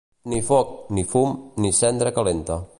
Ni foc, ni fum, ni cendra calenta.